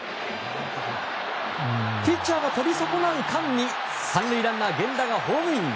ピッチャーがとり損なう間に３塁ランナー源田がホームイン。